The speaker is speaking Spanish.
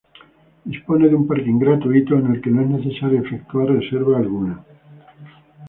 Dispone de un parking gratuito, en el que no es necesario efectuar reserva alguna.